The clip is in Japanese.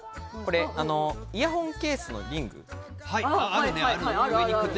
イヤホンケースのリング。